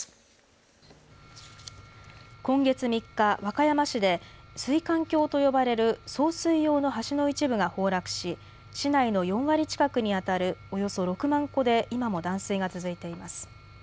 今月３日、和歌山市で、水管橋と呼ばれる送水用の橋の一部が崩落し、市内の４割近くに当たるおよそ６万戸で今も断水が続いています。